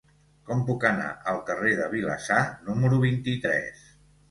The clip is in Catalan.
Com puc anar al carrer de Vilassar número vint-i-tres?